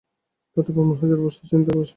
তাতেই প্রমাণ হয় যে, জড়বস্তু চিন্তারই বহিঃপ্রকাশ।